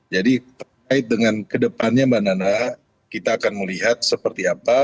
jadi berkait dengan ke depannya mbak nana kita akan melihat seperti apa